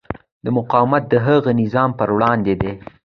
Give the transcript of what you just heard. دا مقاومت د هغه نظام پر وړاندې دی.